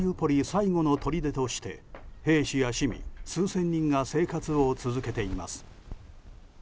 最後のとりでとして兵士や市民、数千人が生活を続けています。